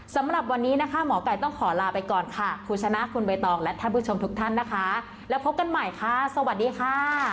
สำหรับวันนี้นะคะหมอไก่ต้องขอลาไปก่อนค่ะคุณชนะคุณใบตองและท่านผู้ชมทุกท่านนะคะแล้วพบกันใหม่ค่ะสวัสดีค่ะ